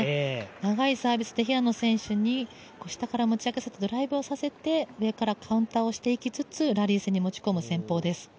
長いサービスで平野選手に下から持ち上げさせてドライブをさせて上からカウンターをしていきつつラリー戦に持ち込む作戦です。